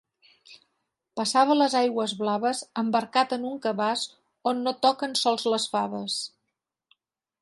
Passava les aigües blaves embarcat en un cabàs on no toquen sols les faves.